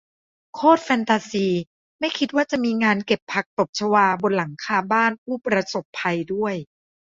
โคตรแฟนตาซี ไม่คิดว่าจะมีงานเก็บผักตบชวาบนหลังคาบ้านผู้ประสบภัยด้วย